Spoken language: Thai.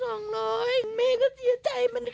มันแม่แกสีว่าเสียใจซักที